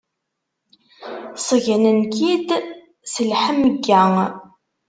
Ṣeggnen-k-id s leḥmegga.